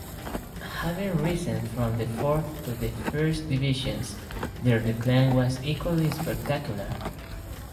Having risen from the Fourth to the First Divisions, their decline was equally spectacular.